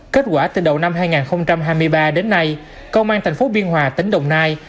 kết quả từ đầu năm hai nghìn hai mươi ba đến nay công an thành phố biên hòa tỉnh đồng nai